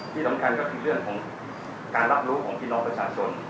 ที่สำคัญก็คือเรื่องของการรับรู้ของพี่น้องประชาชน